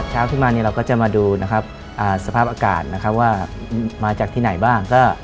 เช้าที่มานี่เราก็จะมาดูสภาพอากาศว่ามาจากที่ไหนบ้าง